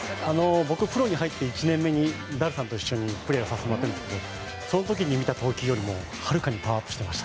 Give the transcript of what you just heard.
僕プロに入って１年目にダルさんと一緒にプレーさせてもらっているんですがその時に見た投球よりもはるかにパワーアップしていました。